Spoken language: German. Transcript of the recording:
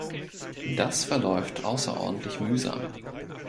Das verläuft außerordentlich mühsam.